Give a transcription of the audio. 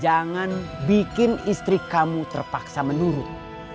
jangan bikin istri kamu terpaksa menurun